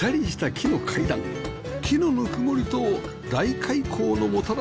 木のぬくもりと大開口のもたらす